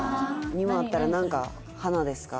庭あったら何か花ですか？